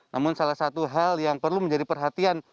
namun salah satu hal yang perlu menjadi perhatian